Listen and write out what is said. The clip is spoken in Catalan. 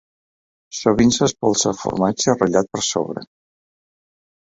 Sovint s'espolsa formatge ratllat per sobre.